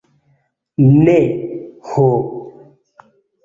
Ne, ho!